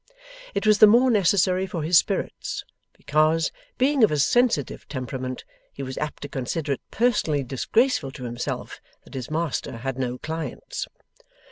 It was the more necessary for his spirits, because, being of a sensitive temperament, he was apt to consider it personally disgraceful to himself that his master had no clients.